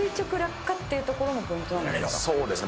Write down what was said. そうですね。